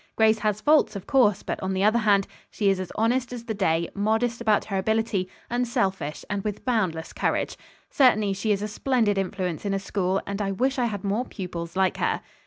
"Grace has faults, of course, but on the other hand, she is as honest as the day, modest about her ability, unselfish and with boundless courage. Certainly she is a splendid influence in a school, and I wish I had more pupils like her."